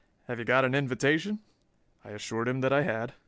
"Have you got an invitation?" I assured him that I had.